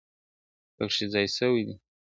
پکښی ځای سوي دي ,